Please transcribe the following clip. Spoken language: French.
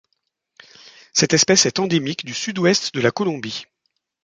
Cette espèce est endémique du Sud-Ouest de la Colombie.